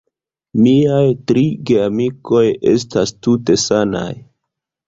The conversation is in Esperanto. Miaj tri geamikoj estas tute sanaj.